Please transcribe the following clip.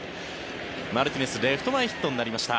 マルティネスレフト前ヒットになりました。